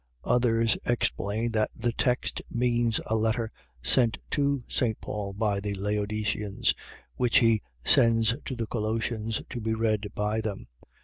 Others explain that the text means a letter sent to St. Paul by the Laodiceans, which he sends to the Colossians to be read by them.